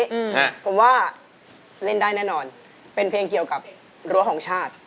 อืมฮะผมว่าเล่นได้แน่นอนเป็นเพลงเกี่ยวกับรั้วของชาติ